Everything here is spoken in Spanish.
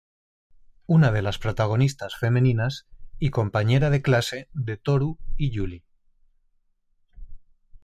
Una de las protagonistas femeninas y compañera de clase de Tōru y Julie.